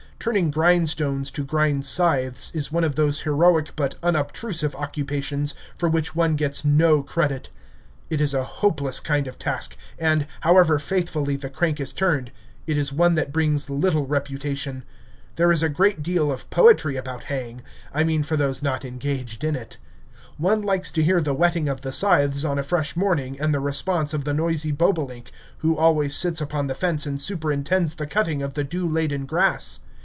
Turning grindstones to grind scythes is one of those heroic but unobtrusive occupations for which one gets no credit. It is a hopeless kind of task, and, however faithfully the crank is turned, it is one that brings little reputation. There is a great deal of poetry about haying I mean for those not engaged in it. One likes to hear the whetting of the scythes on a fresh morning and the response of the noisy bobolink, who always sits upon the fence and superintends the cutting of the dew laden grass.